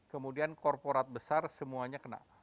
kemudian korporat besar semuanya kena